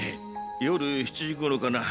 夜７時頃かな。